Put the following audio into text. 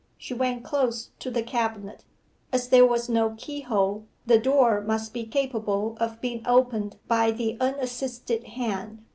She went close to the cabinet. As there was no keyhole, the door must be capable of being opened by the unassisted hand.